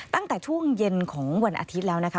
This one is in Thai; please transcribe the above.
ตั้งแต่ช่วงเย็นของวันอาทิตย์แล้วนะคะ